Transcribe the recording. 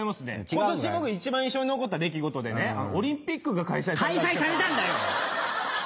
今年僕一番印象に残った出来事でねオリンピックが開催されたんです。